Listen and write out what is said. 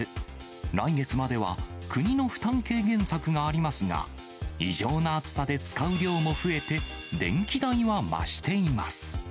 来月までは国の負担軽減策がありますが、異常な暑さで使う量も増えて、電気代は増しています。